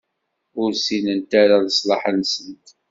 Ur ssinent ara leṣlaḥ-nsent.